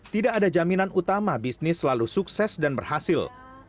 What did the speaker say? tidak ada jaminan utama bisnis selalu sukses dan berhasil